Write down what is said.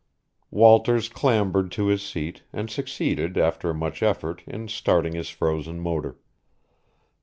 Walters clambered to his seat, and succeeded, after much effort, in starting his frozen motor.